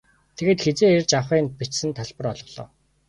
Тэгээд хэзээ ирж авахы нь бичсэн тасалбар олголоо.